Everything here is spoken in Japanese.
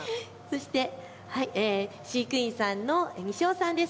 飼育員さんの西尾さんです。